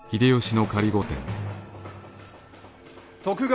徳川